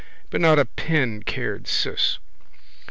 But not a pin cared Ciss.